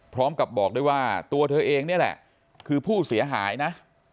พร้อมกับบอกด้วยว่าตัวเธอเองนี่แหละคือผู้เสียหายนะ